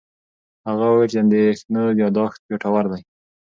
هغه وویل چې د اندېښنو یاداښت ګټور دی.